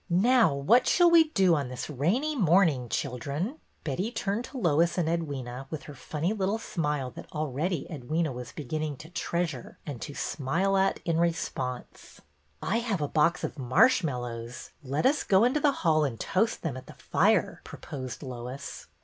Now, what shall we do on this rainy morn ing, children ?" Betty turned to Lois and Ed wyna with her funny little smile that already Edwyna was beginning to treasure and to smile at in response. I have a box of marshmallows. Let us go into the hall and toast them at the fire," pro posed Lois.